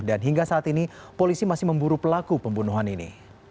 dan hingga saat ini polisi masih memburu pelaku pembunuhan ini